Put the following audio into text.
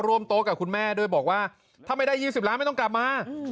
โต๊ะกับคุณแม่ด้วยบอกว่าถ้าไม่ได้๒๐ล้านไม่ต้องกลับมา